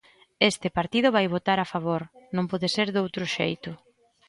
Este partido vai votar a favor, non pode ser doutro xeito.